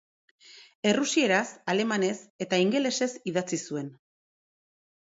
Errusieraz, alemanez eta ingelesez idatzi zuen.